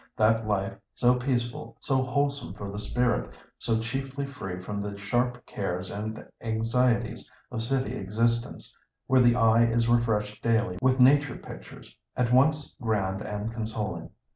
That life so peaceful, so wholesome for the spirit, so chiefly free from the sharp cares and anxieties of city existence—where the eye is refreshed daily with nature pictures, at once grand and consoling.